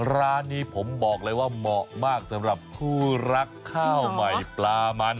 ร้านนี้ผมบอกเลยว่าเหมาะมากสำหรับคู่รักข้าวใหม่ปลามัน